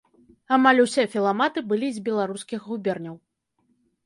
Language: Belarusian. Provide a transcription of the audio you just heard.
Амаль усе філаматы былі з беларускіх губерняў.